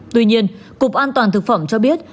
tuy nhiên cục an toàn thực phẩm cho biết